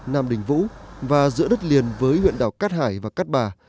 nam đình vũ và giữa đất liền với huyện đảo cát hải và cát bà